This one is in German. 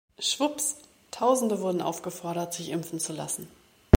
Schwupps, Tausende werden aufgefordert, sich impfen zu lassen.